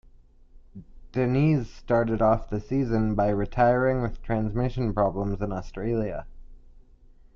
Diniz started off the season by retiring with transmission problems in Australia.